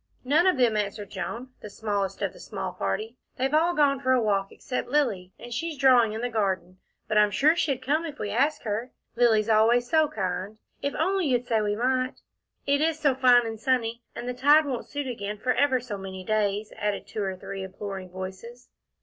"None of them," answered Joan, the smallest of the small party. "They've all gone for a walk except Lilly, and she's drawing in the garden, but I'm sure she'd come if we asked her. Lilly's always so kind if only you'd say we might." "It is so fine and sunny, and the tide won't suit again for ever so many days," added two or three imploring voices.